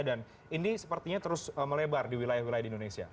ini sepertinya terus melebar di wilayah wilayah di indonesia